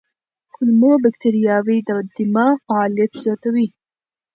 کولمو بکتریاوې د دماغ فعالیت زیاتوي.